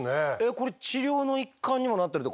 これ治療の一環にもなってるって